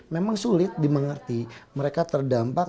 memang sulit dimengerti mereka terdampak